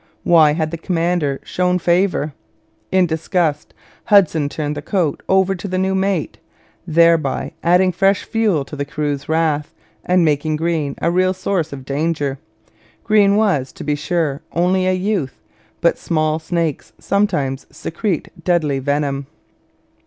Why had the commander shown favour? In disgust Hudson turned the coat over to the new mate thereby adding fresh fuel to the crew's wrath and making Greene a real source of danger. Greene was, to be sure, only a youth, but small snakes sometimes secrete deadly venom.